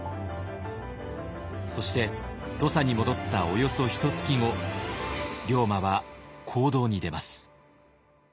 そして土佐に戻ったおよそひとつき後龍馬は行動に出ます。